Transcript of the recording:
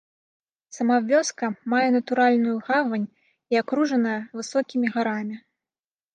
Сама вёска мае натуральную гавань і акружаная высокімі гарамі.